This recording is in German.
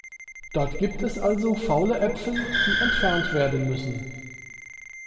Dort gibt es also faule Äpfel, die entfernt werden müssen.